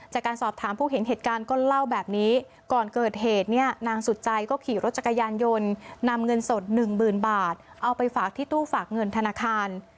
จากการสอบถามผู้เห็นเหตุการณ์ก็เล่าแบบนี้ก่อนเกิดเหตุเนี่ยนางสุดใจก็ขี่รถจักรยานยนต์นำเงินสดหนึ่งหมื่นบาทเอาไปฝากที่ตู้ฝากเงินธนาคาร